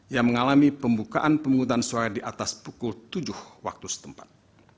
yang mengalami pembukaan pemungutan suara di atas pukul tujuh waktu setempat